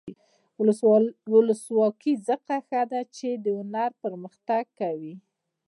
ولسواکي ځکه ښه ده چې هنر پرمختګ ورکوي.